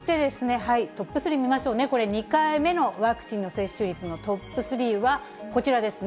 ６０．７％となっていまして、そして、トップ３見ましょうね、これ、２回目のワクチンの接種率のトップ３はこちらですね。